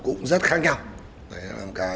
cũng rất khác nhau đấy là một cái